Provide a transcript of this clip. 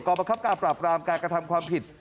ประคับการปราบรามการกระทำความผิด